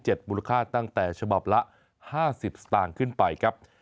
มูลค่าตั้งแต่ฉบับละ๕๐สตางค์ขึ้นไปครับ